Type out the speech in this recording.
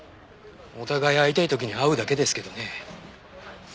お互い会いたい時に会うだけですけどね。